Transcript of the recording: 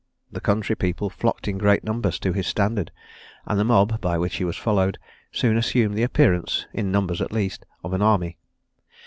The country people flocked in great numbers to his standard; and the mob, by which he was followed, soon assumed the appearance, in numbers at least, of an army.